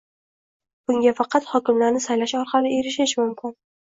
Bunga faqat hokimlarni saylash orqali erishish mumkin